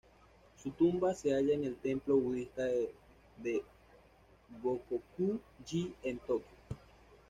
Su tumba se halla en el templo budista de "Gokoku-ji" en Tokio.